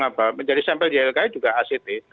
apa menjadi sampel di ilki juga act